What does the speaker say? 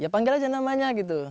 ya panggil aja namanya gitu